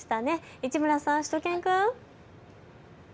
市村さん、しゅと犬くん。